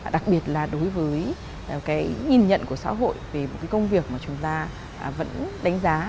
đặc biệt là đối với cái nhìn nhận của xã hội về một cái công việc mà chúng ta vẫn đánh giá